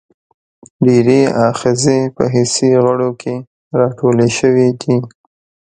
ډېری آخذې په حسي غړو کې را ټولې شوي دي.